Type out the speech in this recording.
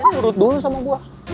ini urut dulu sama gue